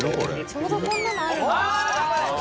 ちょうどこんなのあるんだあっ！